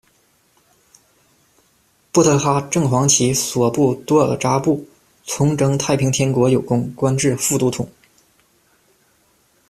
布特哈正黄旗索布多尔扎布从征太平天国有功，官至副都统。